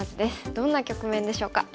どんな局面でしょうか。